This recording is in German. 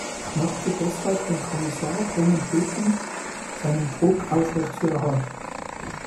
Ich möchte deshalb den Kommissar dringend bitten, seinen Druck aufrecht zu erhalten.